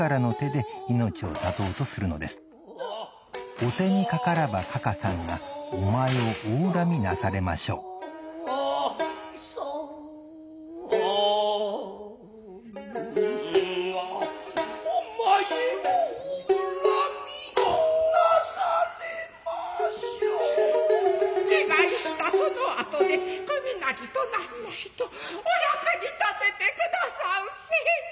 お手にかからばかかさんがお前をお恨みなされましょう自害したその後で首なりと何なりとお役に立てて下さんせ。